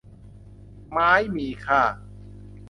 ไม้มีค่า